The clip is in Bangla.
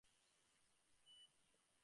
পাশ্চাত্যদেশে সমস্তই প্রজারা আপনারা করেন।